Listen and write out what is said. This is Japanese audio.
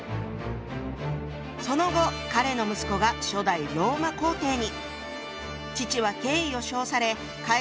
その後彼の息子が初代ローマ皇帝に。